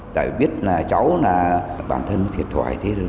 tại vì biết là cháu là bản thân thiệt thoải thế rồi